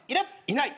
いない。